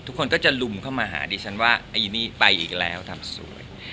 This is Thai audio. ทุกคนก็จะลุมเข้ามาหาดิฉันว่าไอ้นี่ไปอีกแล้วทำสวย